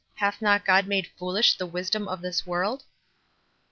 Hath not God made foolish the wisdom of this world?"